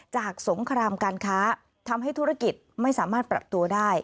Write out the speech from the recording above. สงครามการค้าทำให้ธุรกิจไม่สามารถปรับตัวได้